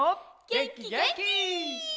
げんきげんき！